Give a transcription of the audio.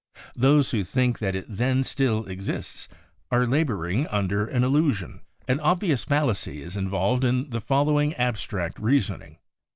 Those who think that it then still exists are laboring un der an illusion. An obvious fallacy is involved in the fol lowing abstract reason ing.